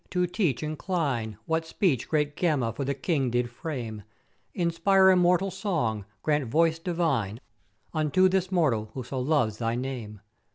to teach incline what speech great Gama for the king did frame: Inspire immortal song, grant voice divine unto this mortal who so loves thy name.